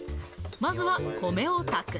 まずは米を炊く。